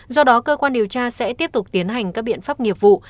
do đó cơ quan điều tra sẽ tiếp tục tiến hành các biện pháp nghiệp vụ